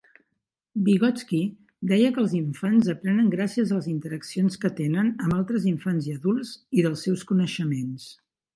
Vygotsky deia que els infants aprenen gràcies a les interaccions que tenen amb altres infants i adults, i dels seus coneixements.